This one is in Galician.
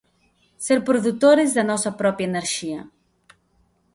Ser produtores da nosa propia enerxía.